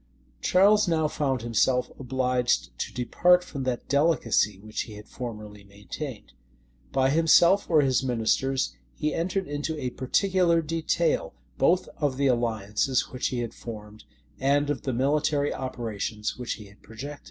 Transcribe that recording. Charles now found himself obliged to depart from that delicacy which he had formerly maintained. By himself or his ministers he entered into a particular detail, both of the alliances which he had formed, and of the military operations which he had projected.